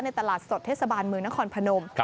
ตลาดสดเทศบาลเมืองนครพนม